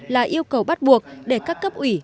là yêu cầu bắt buộc để các cấp ủy